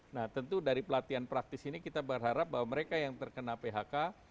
nah tentu dari pelatihan praktis ini kita berharap bahwa mereka yang terkena phk